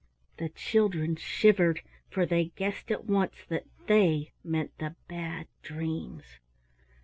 The children shivered, for they guessed at once that "they" meant the Bad Dreams.